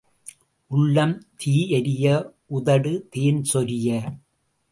உள்ளம் தீ எரிய உதடு தேன் சொரிய.